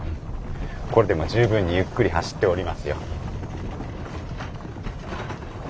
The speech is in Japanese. これでも十分にゆっくり走っておりますよ。